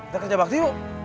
kita kerja waktu yuk